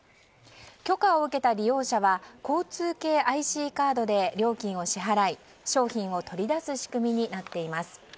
許可を受けた利用者は交通系ＩＣカードで料金を支払い商品を取り出す仕組みになっています。